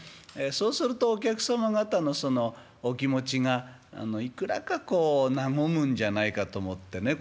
そうするとお客様方のそのお気持ちがいくらかこう和むんじゃないかと思ってね